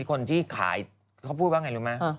คนที่ขายเขาพูดว่าไงรู้ไหม